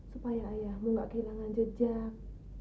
supaya ayahmu gak kehilangan jejak